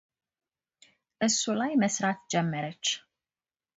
እሱ ላይ መሥራት ጀመረች።